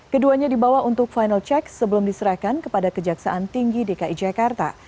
keduanya dibawa untuk final check sebelum diserahkan kepada kejaksaan tinggi dki jakarta